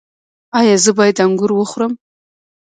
ایا زه باید انګور وخورم؟